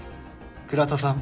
倉田さん。